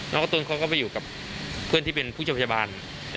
กระตุ้นเขาก็ไปอยู่กับเพื่อนที่เป็นผู้ชมพยาบาล